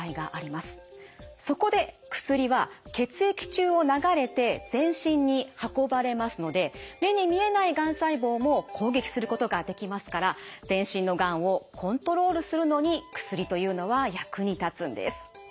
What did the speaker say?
そこで薬は血液中を流れて全身に運ばれますので目に見えないがん細胞も攻撃することができますから全身のがんをコントロールするのに薬というのは役に立つんです。